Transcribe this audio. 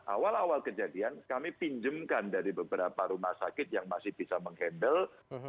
awal awal kejadian kami pinjemkan dari beberapa rumah sakit yang masih bisa menghandle